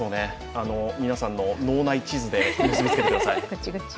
皆さんの脳内地図で結びつけてください。